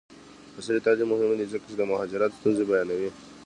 عصري تعلیم مهم دی ځکه چې د مهاجرت ستونزې بیانوي.